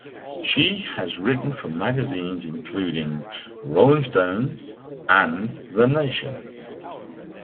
She has written for magazines including "Rolling Stone" and "The Nation".